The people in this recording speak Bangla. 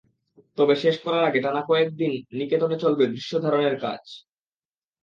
তবে শেষ করার আগে টানা কয়েক দিন নিকেতনে চলবে দৃশ্য ধারণের কাজ।